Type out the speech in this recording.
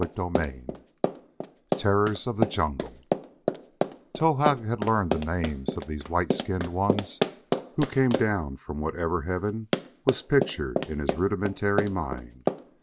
CHAPTER XV Terrors of the Jungle Towahg had learned the names of these white skinned ones who came down from whatever heaven was pictured in his rudimentary mind.